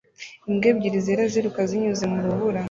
Imbwa ebyiri zera ziruka zinyuze mu rubura